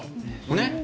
ねっ。